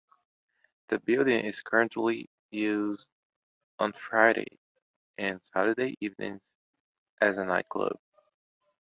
The building is currently used on Friday and Saturday evenings as a night club.